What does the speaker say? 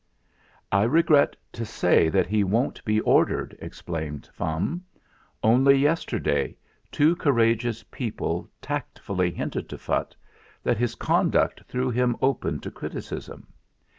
"I regret to say that he won't be ordered," explained Fum. "Only yesterday two cour ageous people tactfully hinted to Phutt that his conduct threw him open to criticism.